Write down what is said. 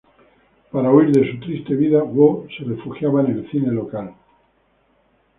Para huir de su triste vida, Woo se refugiaba en el cine local.